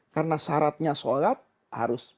karena syaratnya solat harus